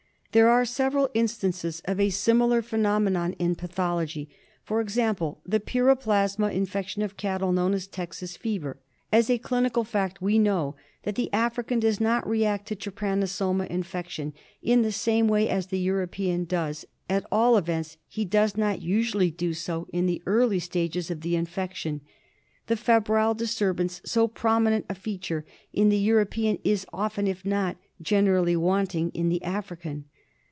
There are several instances of a similar phenomenon in pathology. For example, the pyroplasma infection of cattle, known as Texas fever. As a clinical fact we know that the African does not react to trypanosoma infection in the same way as the European does, at all events he does not usually do so in the earlier stages of the infection. The febrile disturbance, so prominent a feature in the European, is often, if not generally, wanting in the African.